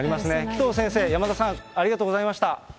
紀藤先生、山田さん、ありがとうございました。